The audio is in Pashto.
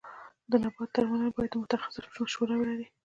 د نباتو درملنه باید د متخصص مشوره ولري.